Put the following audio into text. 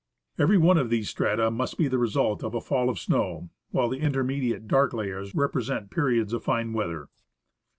Every one of these strata must be the result of a fall of snow, while the intermediate dark layers represent periods of fine weather.